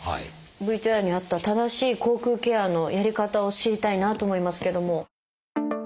ＶＴＲにあった正しい口腔ケアのやり方を知りたいなと思いますけども。